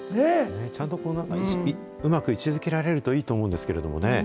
ちゃんとこう、うまく位置づけられるといいと思うんですけどね。